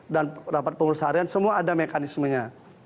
dan rapat pengurusan harian semua ada mekanismenya